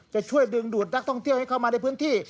จะช่วยดึงดูดนักท่องเที่ยวให้เข้ามาในพื้นที่